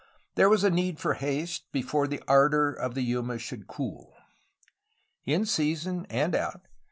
There was need for haste before the ardor of the Yumas should cool. In season and out.